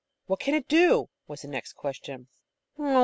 "What can it do?" was the next question.